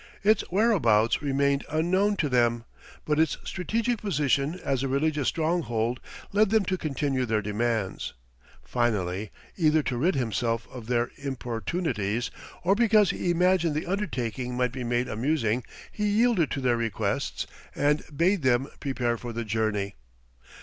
Its whereabouts remained unknown to them, but its strategic position as a religious stronghold led them to continue their demands. Finally, either to rid himself of their importunities or because he imagined the undertaking might be made amusing, he yielded to their requests and bade them prepare for the journey.